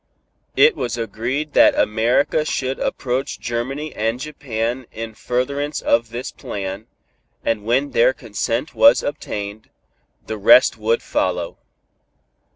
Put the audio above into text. It was agreed that America should approach Germany and Japan in furtherance of this plan, and when their consent was obtained, the rest would follow.